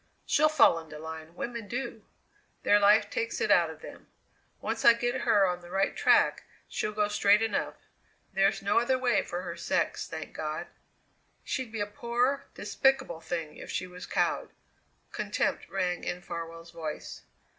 "She'll fall into line women do! Their life takes it out of them. Once I get her on the right track, she'll go straight enough. There's no other way for her sex, thank God!" "She'd be a poor, despicable thing if she was cowed." Contempt rang in Farwell's voice.